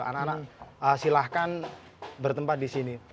anak anak silahkan bertempat di sini